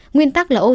nguyên tắc là oxy